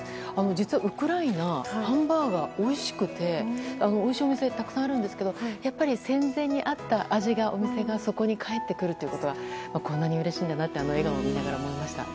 実は、ウクライナハンバーガーおいしくておいしいお店たくさんあるんですけどやっぱり戦前にあった味、お店が帰ってくるということがこんなにうれしいんだなってあの笑顔を見ながら思いました。